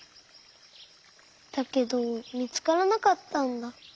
だけどみつからなかったんだ。